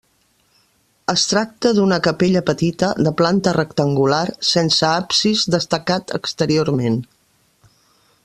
Es tracta d'una capella petita, de planta rectangular, sense absis destacat exteriorment.